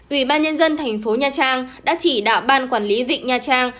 ủy ban nhân dân thành phố nhà trang đã chỉ đạo ban quản lý vịnh nhà trang